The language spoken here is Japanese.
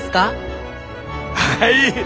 はい。